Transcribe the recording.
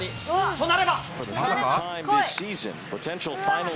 となれば。